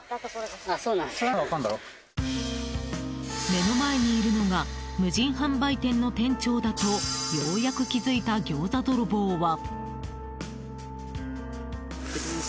目の前にいるのが無人販売店の店長だとようやく気付いたギョーザ泥棒は。